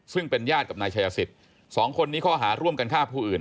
ซึ่งเป็นญาติกับนายชายสิทธิ์สองคนนี้ข้อหาร่วมกันฆ่าผู้อื่น